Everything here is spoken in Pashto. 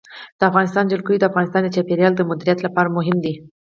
د افغانستان جلکو د افغانستان د چاپیریال د مدیریت لپاره مهم دي.